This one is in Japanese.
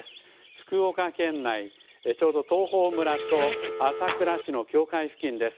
福岡県内、ちょうど東峰村と朝倉市の境界付近です。